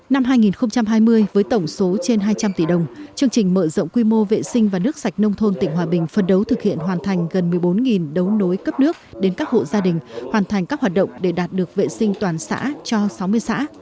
năm hai nghìn hai mươi với tổng số trên hai trăm linh tỷ đồng chương trình mở rộng quy mô vệ sinh và nước sạch nông thôn tỉnh hòa bình phân đấu thực hiện hoàn thành gần một mươi bốn đấu nối cấp nước đến các hộ gia đình hoàn thành các hoạt động để đạt được vệ sinh toàn xã cho sáu mươi xã